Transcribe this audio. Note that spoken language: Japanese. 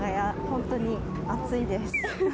本当に暑いです。